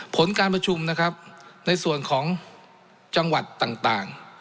ผลการประชุมนะครับในส่วนของจังหวัดต่าง